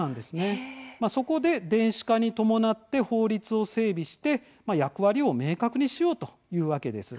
そこで電子化に伴って法律を整備して役割を明確にしようというわけです。